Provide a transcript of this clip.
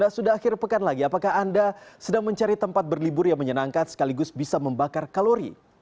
sudah akhir pekan lagi apakah anda sedang mencari tempat berlibur yang menyenangkan sekaligus bisa membakar kalori